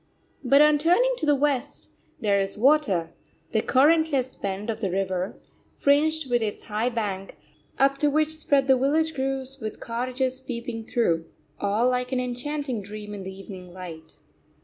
But on turning to the West, there is water, the currentless bend of the river, fringed with its high bank, up to which spread the village groves with cottages peeping through all like an enchanting dream in the evening light.